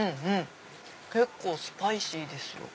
結構スパイシーですよ。